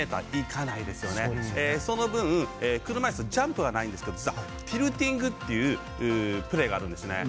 その分、車いすジャンプはないんですけどティルティングというプレーがあるんですね。